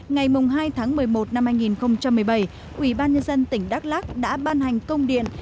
ngày hai tháng một mươi một năm hai nghìn một mươi bảy ủy ban nhân dân tỉnh đắk lắc đã ban hành công điện